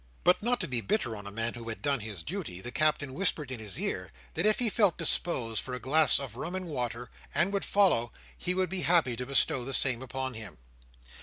But not to be bitter on a man who had done his duty, the Captain whispered in his ear, that if he felt disposed for a glass of rum and water, and would follow, he would be happy to bestow the same upon him.